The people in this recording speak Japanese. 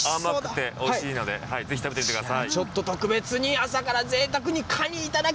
とても甘くておいしいので、ぜひ食べてみてください。